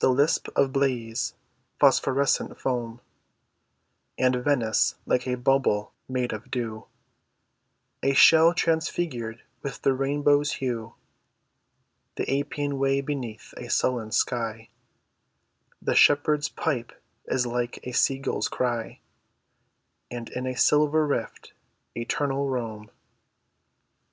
The lisp of Baiæ's phosphorescent foam; And Venice like a bubble made of dew, A shell transfigured with the rainbow's hue; The Appian Way beneath a sullen sky, (The shepherd's pipe is like a seagull's cry) And in a silver rift, eternal Rome.